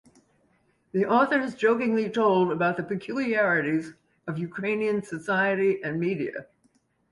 The authors jokingly told about the peculiarities of Ukrainian society and media.